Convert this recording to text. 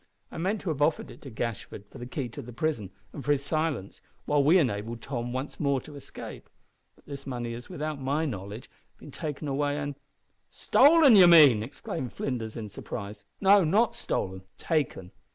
I meant to have offered it to Gashford for the key of the prison, and for his silence, while we enabled Tom once more to escape. But this money has, without my knowledge, been taken away and " "Stolen, you mean!" exclaimed Flinders, in surprise. "No, not stolen taken!